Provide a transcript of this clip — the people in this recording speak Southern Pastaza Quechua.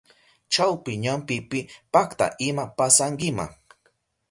Chawpi ñampipi pakta ima pasankima.